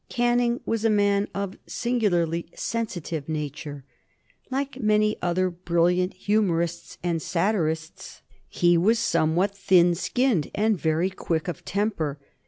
Canning was a man of singularly sensitive nature. Like many other brilliant humorists and satirists, he was somewhat thin skinned and very quick of temper.